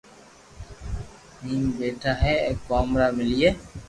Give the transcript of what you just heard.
ھيم پيئا بي اي ڪوم را ملئي